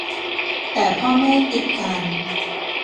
แต่พ่อแม่กีดกัน